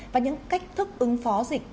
và những cách thức ứng phó dịch